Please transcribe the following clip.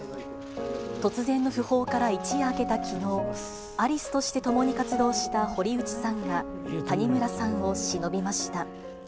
突然の訃報から一夜明けたきのう、アリスとして共に活動した堀内さんが、谷村さんをしのびました。